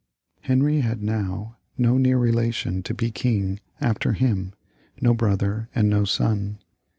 Henry had now no near relation left to be king after him, no brother and no son.